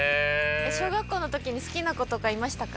小学校の時に好きな子とかいましたか？